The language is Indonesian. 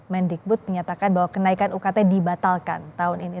mendikbud menyatakan bahwa kenaikan ukt dibatalkan tahun ini